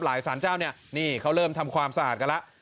หลายสารเจ้านี่เขาเริ่มทำความสะอาดกันแล้ว